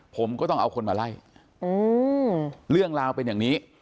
ผมก็ต้องเอาคนมาไล่เรื่องราวเป็นอย่างนี้